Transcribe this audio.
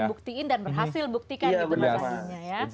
ini pengen buktiin dan berhasil buktikan gitu mas anggi